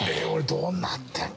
どんなって。